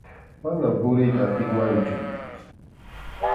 Manam puriyta atinmanchu.